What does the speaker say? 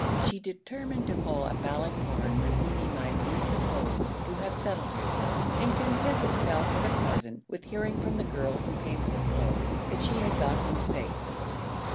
She determined to call at Ballycloran when Feemy might be supposed to have settled herself, and content herself for the present with hearing from the girl who came for the clothes that she had got home safe.